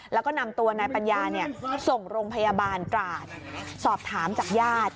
แล้วก็นำตัวไหนปัญญาเนี่ยส่งโรงพยาบาลกราตสอบถามจากยาด